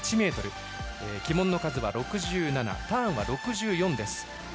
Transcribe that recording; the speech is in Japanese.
旗門の数は６７ターンは６４です。